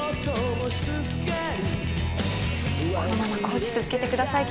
このままコーチ続けてください